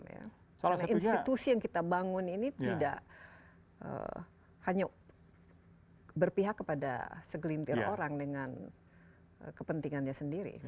karena institusi yang kita bangun ini tidak hanya berpihak kepada segelintir orang dengan kepentingannya sendiri